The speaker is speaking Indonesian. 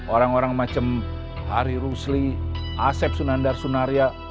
orang orang macam hari rusli asep sunandar sunaria